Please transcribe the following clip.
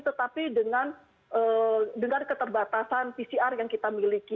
tetapi dengan keterbatasan pcr yang kita miliki